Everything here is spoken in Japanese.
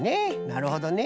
なるほどね。